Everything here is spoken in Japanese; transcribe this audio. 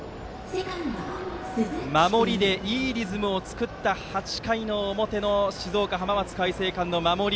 守りでいいリズムを作った８回の表の静岡・浜松開誠館の守り。